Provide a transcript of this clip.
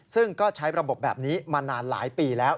ซึ่งก็ใช้ระบบแบบนี้มานานหลายปีแล้ว